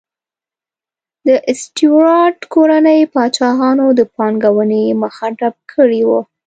د سټیورات کورنۍ پاچاهانو د پانګونې مخه ډپ کړې وه.